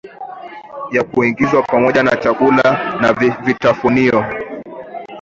ya kuingizwa pamoja na chakula na vitafunio